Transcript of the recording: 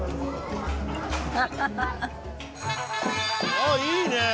あっいいねえ！